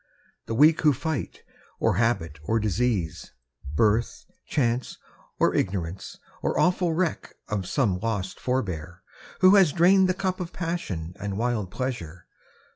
The Weak who fight : or habit or disease, Birth, chance, or ignorance — or awful wreak Of some lost forbear, who has drained the cup Of pagsion and wild pleasure